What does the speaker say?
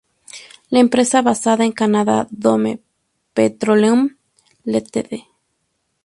La empresa basada en Canadá Dome Petroleum Ltd.